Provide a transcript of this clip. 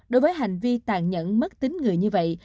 đối với hành vi tàn nhẫn mất tính người như vậy